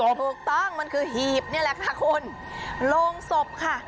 ถูกต้องมันคือหีบนี่แหละค่ะคุณโรงศพค่ะ